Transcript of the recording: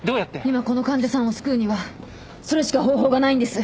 今この患者さんを救うにはそれしか方法がないんです。